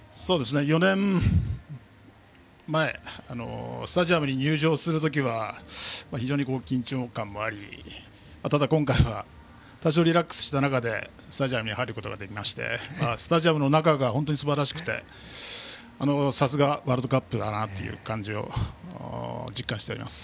４年前スタジアムに入場する時は非常に緊張感もありただ今回は多少リラックスしてスタジアムに入ることができてスタジアムの中が本当にすばらしくてさすがワールドカップだなという感じを実感しています。